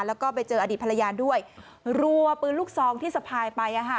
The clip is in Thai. แล้วก็ไปเจออดีตภรรยาด้วยรัวปืนลูกซองที่สะพายไปอ่ะค่ะ